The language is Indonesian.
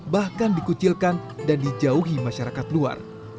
bahkan dikucilkan dan dijauhi masyarakat luar